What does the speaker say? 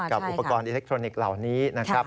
อุปกรณ์อิเล็กทรอนิกส์เหล่านี้นะครับ